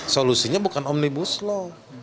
solusinya bukan omnibus lho